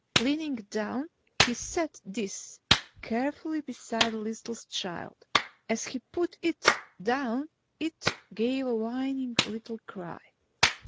Leaning down, he set this carefully beside the listless child. As he put it down, it gave a whining little cry.